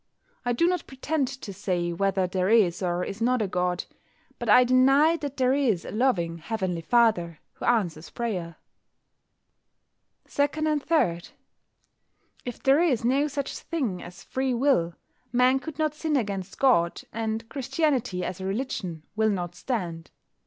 I do not pretend to say whether there is or is not a God, but I deny that there is a loving Heavenly Father who answers prayer. 2 and 3. If there is no such thing as Free Will Man could not sin against God, and Christianity as a religion will not stand.